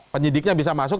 penyidiknya bisa masuk